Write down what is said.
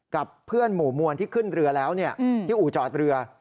กับเพื่อนหมู่มวลที่ขึ้นเรือแล้วที่อู่จอดเรือ